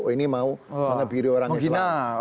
oh ini mau mengebiri orang islam